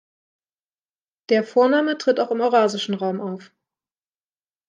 Der Vorname tritt auch im eurasischen Raum auf.